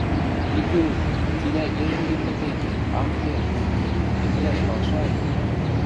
Митю... цилӓ ежӹнгем пӹтен... ам керд... кӹньӹлӓш палшай...